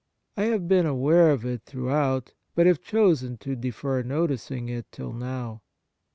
I have been aware of it throughout, but have chosen to defer noticing it till now.